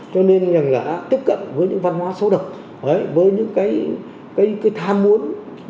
cho nên là tiếp cận với những văn hóa xấu độc với những cái tham muốn